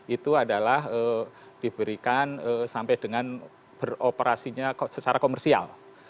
itu adalah diberikan sampai dengan beroperasinya secara komersial